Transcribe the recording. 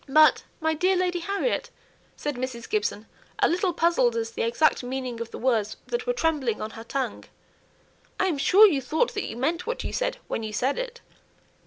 "But, my dear Lady Harriet," said Mrs. Gibson, a little puzzled as to the exact meaning of the words that were trembling on her tongue, "I am sure you thought that you meant what you said, when you said it."